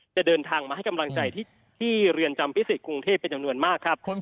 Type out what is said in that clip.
เดินทางมาให้กำลังใจที่เรือนจำพิเศษกรุงเทพเป็นจำนวนมากครับ